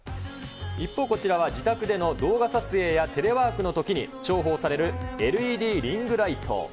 一方、こちらは自宅での動画撮影やテレワークのときに重宝されるＬＥＤリングライト。